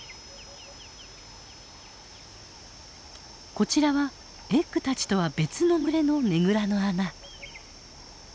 こちらはエッグたちとは別の群れのねぐらの穴。